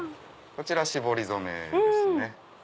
こちら絞り染めですね。